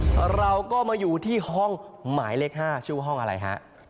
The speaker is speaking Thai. แล้วเราก็มาอยู่ที่ห้องหมายเลข๕ชื่อห้องอะไรฮะ